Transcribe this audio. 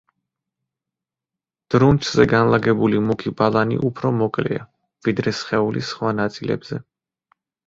დრუნჩზე განლაგებული მუქი ბალანი უფრო მოკლეა, ვიდრე სხეულის სხვა ნაწილებზე.